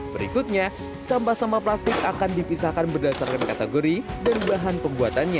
berikutnya sampah sampah plastik akan dipisahkan berdasarkan kategori dan bahan pembuatannya